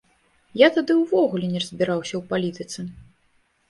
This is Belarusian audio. Я тады ўвогуле не разбіраўся ў палітыцы.